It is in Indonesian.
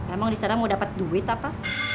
emang di sana mau dapat duit apa